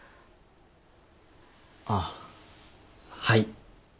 あっはい。